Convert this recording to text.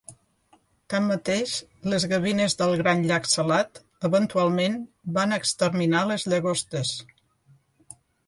Tanmateix, les gavines del Gran Llac Salat eventualment van exterminar les llagostes.